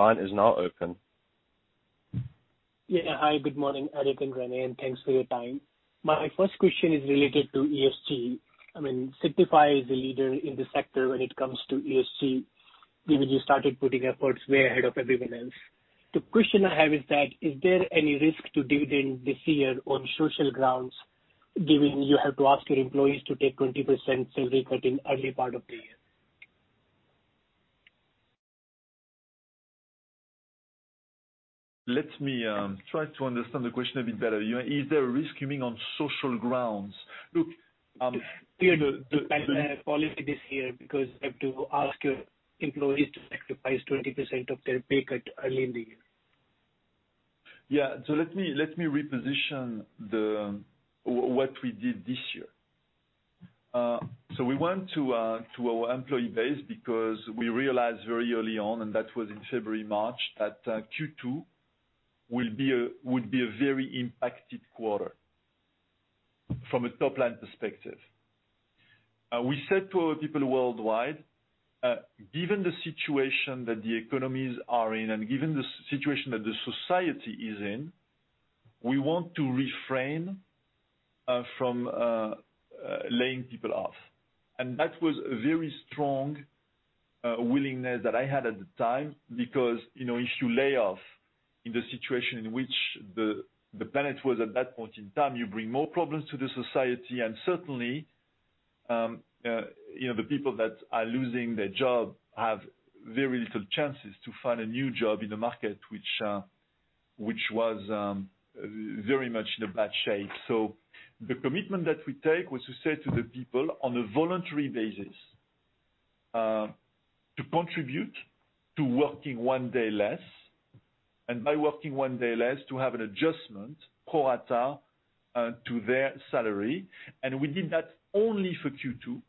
hi, good morning, Eric and René, and thanks for your time. My first question is related to ESG. Signify is a leader in the sector when it comes to ESG, given you started putting efforts way ahead of everyone else. The question I have is that, is there any risk to dividend this year on social grounds, given you had to ask your employees to take 20% salary cut in early part of the year? Let me try to understand the question a bit better. Is there a risk given on social grounds? Given the policy this year, because you have to ask your employees to sacrifice 20% of their pay cut early in the year. Yeah. Let me reposition what we did this year. We went to our employee base because we realized very early on, and that was in February, March, that Q2 would be a very impacted quarter from a top-line perspective. We said to our people worldwide, given the situation that the economies are in and given the situation that the society is in, we want to refrain from laying people off. That was a very strong willingness that I had at the time because if you lay off in the situation in which the planet was at that point in time, you bring more problems to the society, and certainly, the people that are losing their job have very little chances to find a new job in a market which was very much in a bad shape. The commitment that we take was to say to the people on a voluntary basis to contribute to working one day less. By working one day less to have an adjustment pro rata to their salary. We did that only for Q2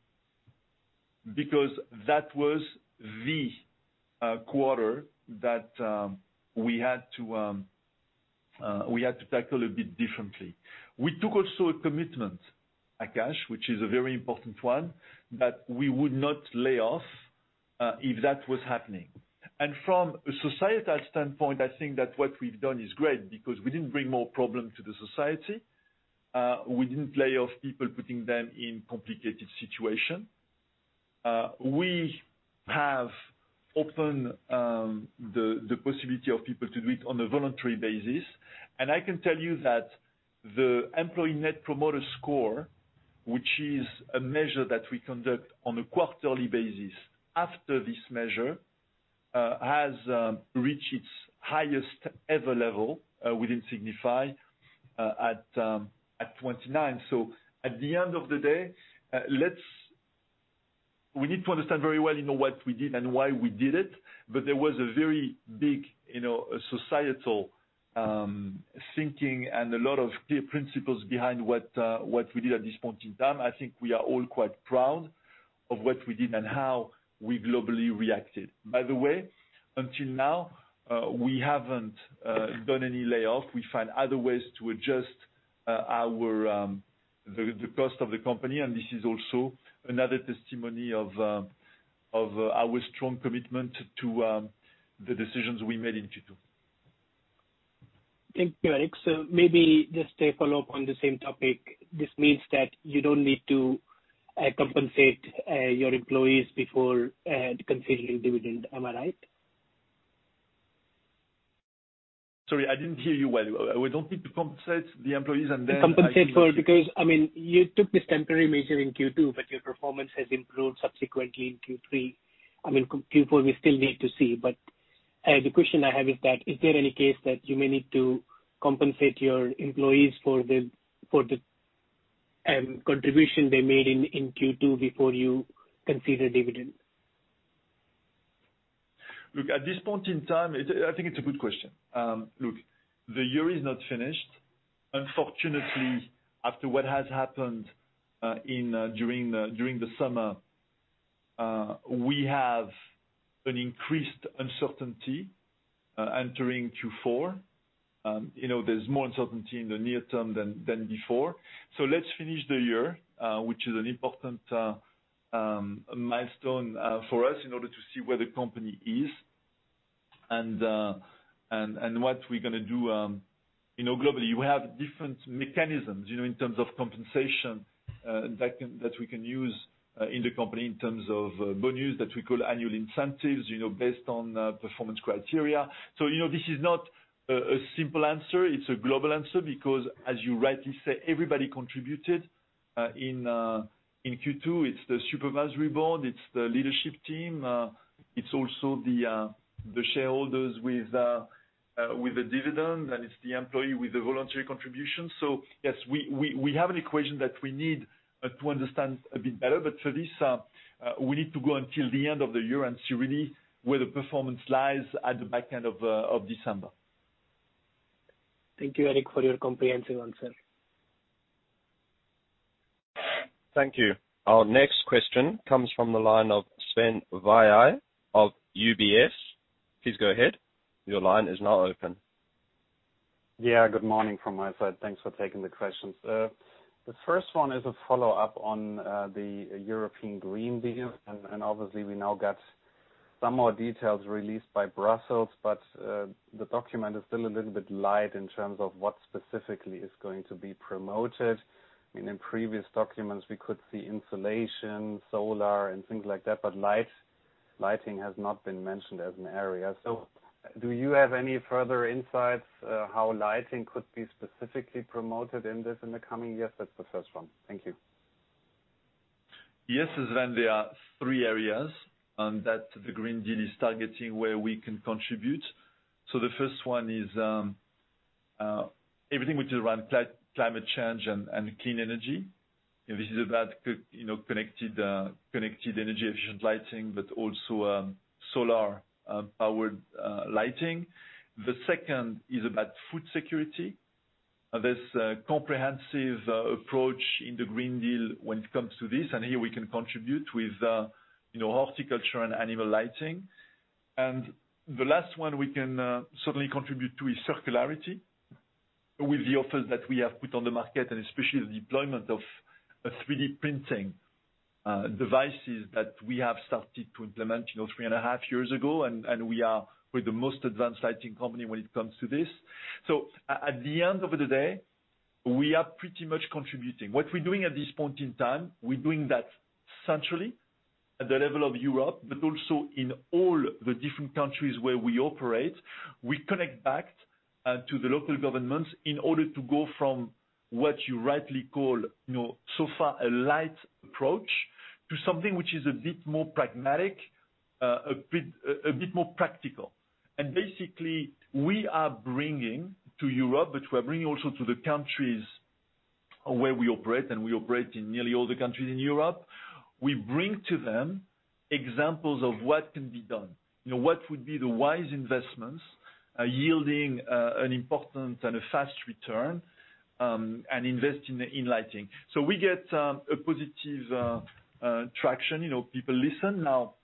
because that was the quarter that we had to tackle a bit differently. We took also a commitment, Akash, which is a very important one, that we would not lay off if that was happening. From a societal standpoint, I think that what we've done is great because we didn't bring more problem to the society. We didn't lay off people, putting them in complicated situation. We have opened the possibility of people to do it on a voluntary basis. I can tell you that the employee Net Promoter Score, which is a measure that we conduct on a quarterly basis after this measure, has reached its highest ever level within Signify at 29. At the end of the day, we need to understand very well what we did and why we did it, but there was a very big societal thinking and a lot of clear principles behind what we did at this point in time. I think we are all quite proud of what we did and how we globally reacted. By the way, until now, we haven't done any layoff. We find other ways to adjust the cost of the company, and this is also another testimony of our strong commitment to the decisions we made in Q2. Thank you, Eric. Maybe just a follow-up on the same topic. This means that you don't need to compensate your employees before considering dividend, am I right? Sorry, I didn't hear you well. We don't need to compensate the employees. Compensate for, because, you took this temporary measure in Q2, but your performance has improved subsequently in Q3. Q4, we still need to see, but the question I have is that, is there any case that you may need to compensate your employees for the contribution they made in Q2 before you consider dividend? Look, at this point in time, I think it's a good question. Look, the year is not finished. Unfortunately, after what has happened during the summer, we have an increased uncertainty entering Q4. There's more uncertainty in the near term than before. Let's finish the year, which is an important milestone for us in order to see where the company is and what we're going to do globally. We have different mechanisms in terms of compensation that we can use in the company in terms of bonus that we call annual incentives, based on performance criteria. This is not a simple answer, it's a global answer because as you rightly say, everybody contributed in Q2. It's the supervisory board, it's the leadership team, it's also the shareholders with the dividend, and it's the employee with the voluntary contribution. Yes, we have an equation that we need to understand a bit better. For this, we need to go until the end of the year and see really where the performance lies at the back end of December. Thank you, Eric, for your comprehensive answer. Thank you. Our next question comes from the line of Sven Weier of UBS. Please go ahead. Your line is now open. Yeah, good morning from my side. Thanks for taking the questions. The first one is a follow-up on the European Green Deal, and obviously we now got some more details released by Brussels, but the document is still a little bit light in terms of what specifically is going to be promoted. In previous documents, we could see insulation, solar, and things like that, but lighting has not been mentioned as an area. Do you have any further insights how lighting could be specifically promoted in this in the coming years? That's the first one. Thank you. Yes, Sven, there are three areas that the Green Deal is targeting where we can contribute. The first one is everything which is around climate change and clean energy. This is about connected energy efficient lighting, but also solar-powered lighting. The second is about food security. There's a comprehensive approach in the Green Deal when it comes to this, and here we can contribute with horticulture and animal lighting. The last one we can certainly contribute to is circularity with the offers that we have put on the market, and especially the deployment of 3D printing devices that we have started to implement three and a half years ago, and we are the most advanced lighting company when it comes to this. At the end of the day, we are pretty much contributing. What we're doing at this point in time, we're doing that centrally at the level of Europe, but also in all the different countries where we operate. We connect back to the local governments in order to go from what you rightly call so far a light approach to something which is a bit more pragmatic, a bit more practical. Basically, we are bringing to Europe, but we are bringing also to the countries where we operate, and we operate in nearly all the countries in Europe. We bring to them examples of what can be done. What would be the wise investments, yielding an important and a fast return, and invest in lighting. We get a positive traction. People listen. Now,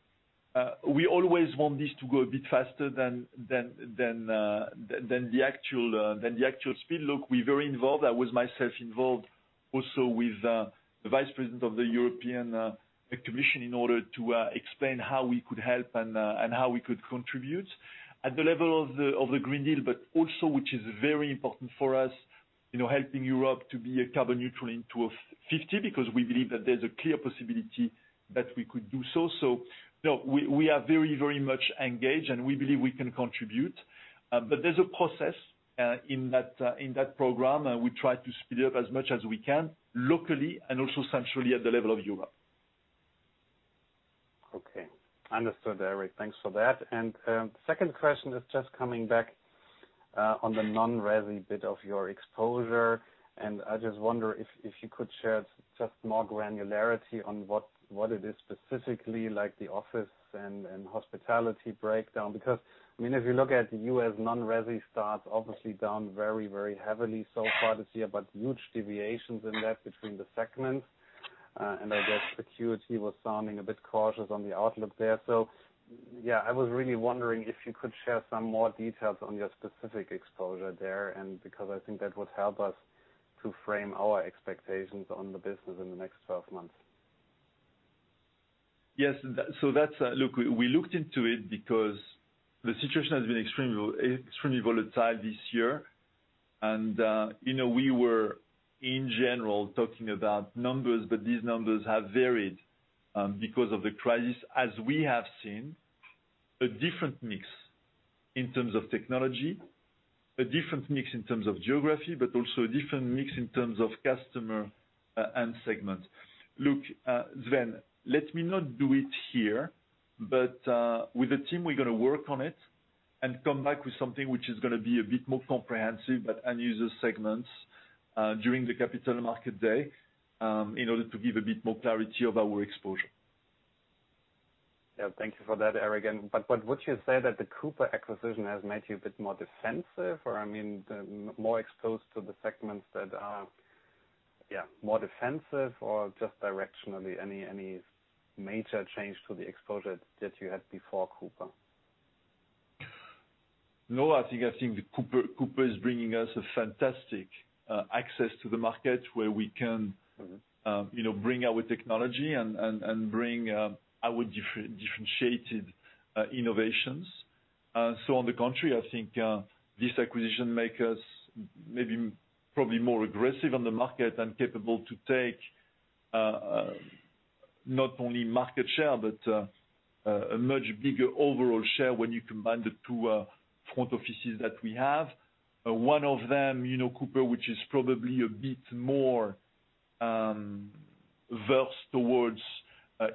we always want this to go a bit faster than the actual speed. Look, we're very involved. I was myself involved also with the Vice President of the European Commission in order to explain how we could help and how we could contribute at the level of the Green Deal, but also which is very important for us, helping Europe to be carbon neutral in 2050, because we believe that there's a clear possibility that we could do so. We are very much engaged, and we believe we can contribute. There's a process in that program, and we try to speed it up as much as we can, locally and also centrally at the level of Europe. Okay. Understood, Eric. Thanks for that. Second question is just coming back on the non-resi bit of your exposure. I just wonder if you could share just more granularity on what it is specifically like the office and hospitality breakdown. If you look at U.S. non-resi stats, obviously down very heavily so far this year, but huge deviations in that between the segments. I guess George was sounding a bit cautious on the outlook there. Yeah, I was really wondering if you could share some more details on your specific exposure there, and because I think that would help us to frame our expectations on the business in the next 12 months. Yes. Look, we looked into it because the situation has been extremely volatile this year. We were, in general, talking about numbers. These numbers have varied because of the crisis as we have seen a different mix in terms of technology, a different mix in terms of geography, but also a different mix in terms of customer and segment. Look, Sven, let me not do it here. With the team, we're going to work on it and come back with something which is going to be a bit more comprehensive and use those segments during the Capital Markets Day in order to give a bit more clarity about our exposure. Yeah. Thank you for that, Eric, again. Would you say that the Cooper acquisition has made you a bit more defensive or more exposed to the segments that are more defensive or just directionally any major change to the exposure that you had before Cooper? No. I think the Cooper is bringing us a fantastic access to the market where we can bring our technology and bring our differentiated innovations. On the contrary, I think this acquisition make us maybe, probably more aggressive on the market and capable to take not only market share, but a much bigger overall share when you combine the two front offices that we have. One of them, Cooper, which is probably a bit more versed towards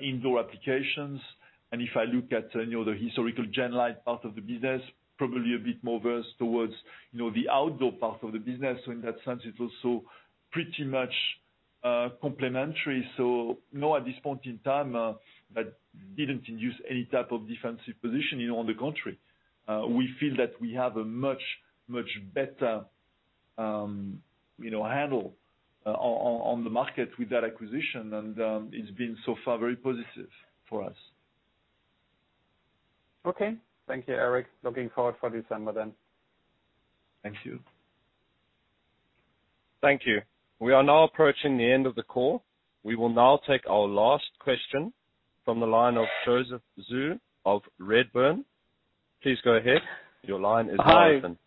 indoor applications. If I look at the historical Genlyte part of the business, probably a bit more versed towards the outdoor part of the business. In that sense, it's also pretty much complementary. No, at this point in time, that didn't induce any type of defensive position. On the contrary. We feel that we have a much better handle on the market with that acquisition, and it's been so far very positive for us. Okay. Thank you, Eric. Looking forward for December then. Thank you. Thank you. We are now approaching the end of the call. We will now take our last question from the line of Joseph Zhou of Redburn. Please go ahead. Your line is now open.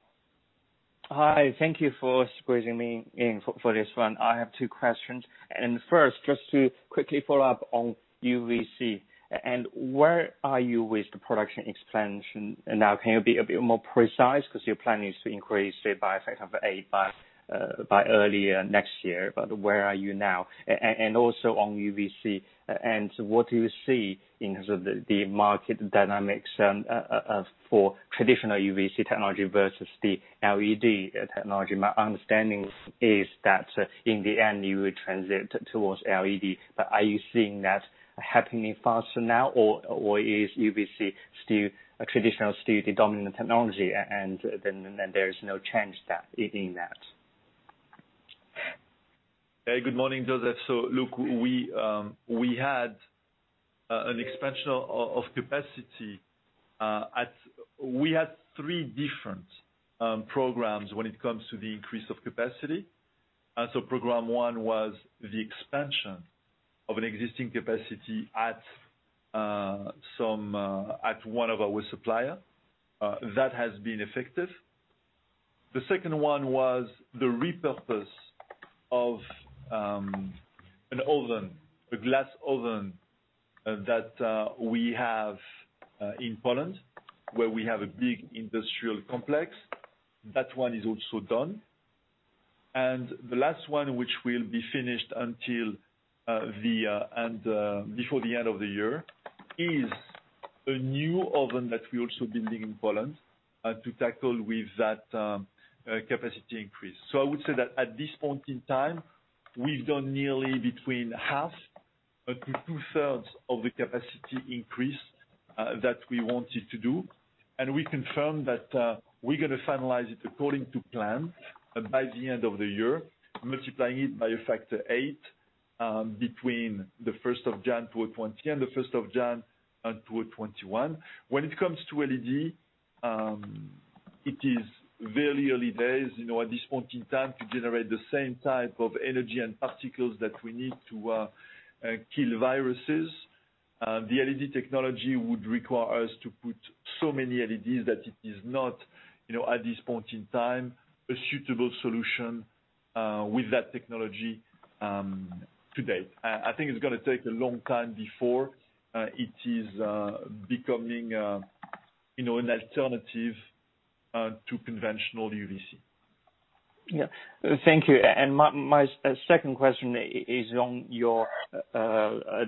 Hi. Thank you for squeezing me in for this one. I have two questions. First, just to quickly follow up on UVC. Where are you with the production expansion now? Can you be a bit more precise? Because your plan is to increase it by a factor of eight by early next year. Where are you now? Also on UVC, what do you see in terms of the market dynamics for traditional UVC technology versus the LED technology? My understanding is that in the end, you would transit towards LED. Are you seeing that happening faster now or is UVC still traditional, still the dominant technology, then there is no change in that? Hey, good morning, Joseph. Look, we had an expansion of capacity. We had three different programs when it comes to the increase of capacity. Program one was the expansion of an existing capacity at one of our supplier. That has been effective. The second one was the repurpose of an oven, a glass oven that we have in Poland, where we have a big industrial complex. That one is also done. The last one, which will be finished before the end of the year, is a new oven that we're also building in Poland to tackle with that capacity increase. I would say that at this point in time, we've done nearly between half up to two-thirds of the capacity increase that we wanted to do, and we confirm that we're going to finalize it according to plan by the end of the year, multiplying it by a factor eight between the 1st of January 2020 and the 1st of January 2021. When it comes to LED, it is very early days at this point in time to generate the same type of energy and particles that we need to kill viruses. The LED technology would require us to put so many LEDs that it is not, at this point in time, a suitable solution with that technology to date. I think it's going to take a long time before it is becoming an alternative to conventional UVC. Yeah. Thank you. My second question is on your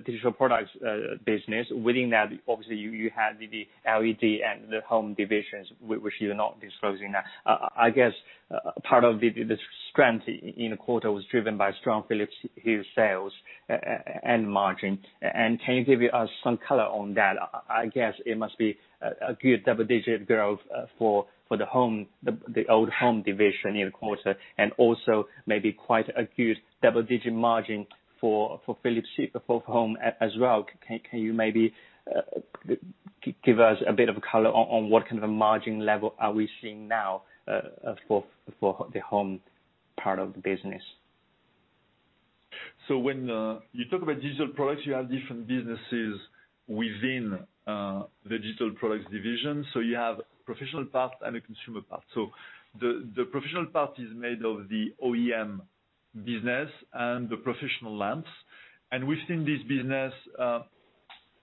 digital products business. Within that, obviously, you have the LED and the home divisions, which you're not disclosing now. I guess part of the strength in the quarter was driven by strong Philips Hue sales and margin. Can you give us some color on that? I guess it must be a good double-digit growth for the old home division in the quarter, and also maybe quite a good double-digit margin for Philips Hue for home as well. Can you maybe give us a bit of color on what kind of a margin level are we seeing now for the home part of the business? When you talk about Digital Products, you have different businesses within the Digital Products division. You have professional part and a consumer part. The professional part is made of the OEM business and the professional lamps. We've seen this business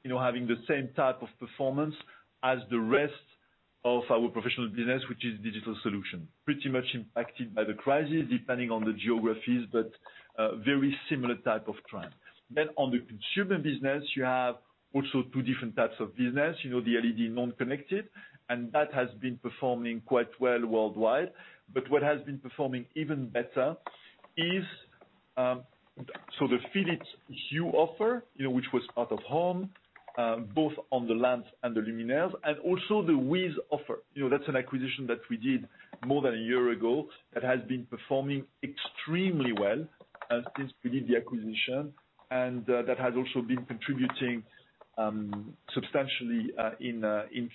having the same type of performance as the rest of our professional business, which is Digital Solutions. Pretty much impacted by the crisis, depending on the geographies, but very similar type of trend. On the consumer business, you have also two different types of business, the LED non-connected, and that has been performing quite well worldwide. What has been performing even better is the Philips Hue offer, which was part of home, both on the lamps and the luminaires, and also the WiZ offer. That's an acquisition that we did more than a year ago that has been performing extremely well since we did the acquisition. That has also been contributing substantially in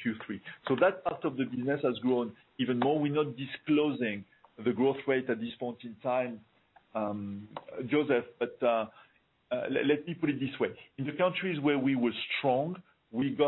Q3. That part of the business has grown even more. We're not disclosing the growth rate at this point in time, Joseph, but let me put it this way. In the countries where we were strong, we have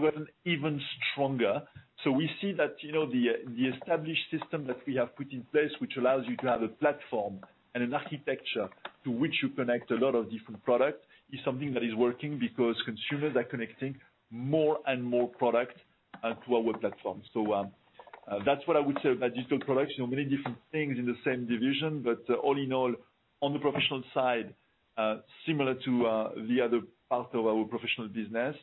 gotten even stronger. We see that the established system that we have put in place, which allows you to have a platform and an architecture to which you connect a lot of different product, is something that is working because consumers are connecting more and more product to our platform. That's what I would say about digital products, many different things in the same division, but all in all, on the professional side, similar to the other part of our professional business.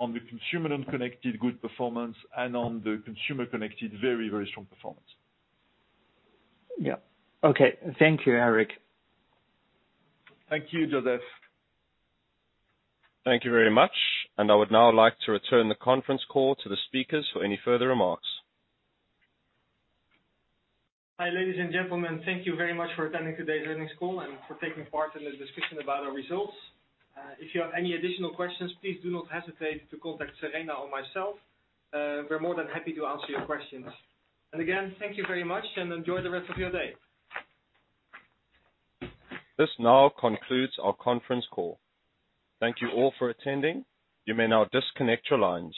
On the consumer non-connected, good performance, and on the consumer connected, very strong performance. Yeah. Okay. Thank you, Eric. Thank you, Joseph. Thank you very much. I would now like to return the conference call to the speakers for any further remarks. Hi, ladies and gentlemen. Thank you very much for attending today's earnings call and for taking part in the discussion about our results. If you have any additional questions, please do not hesitate to contact Serena or myself. We're more than happy to answer your questions. Again, thank you very much, and enjoy the rest of your day. This now concludes our conference call. Thank you all for attending. You may now disconnect your lines.